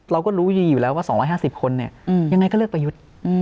เราก็รู้อยู่แล้วว่า๒๕๐คนยังไงก็เลือกไปยุด